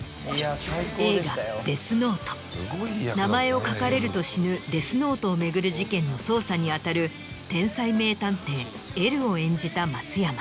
名前を書かれると死ぬデスノートを巡る事件の捜査に当たる天才名探偵Ｌを演じた松山。